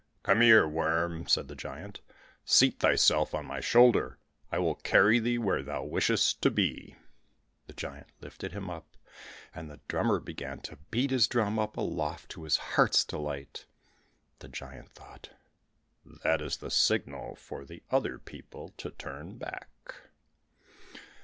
"Come here, worm," said the giant; "seat thyself on my shoulder, I will carry thee where thou wishest to be." The giant lifted him up, and the drummer began to beat his drum up aloft to his heart's delight. The giant thought, "That is the signal for the other people to turn back."